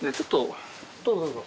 どうぞどうぞ。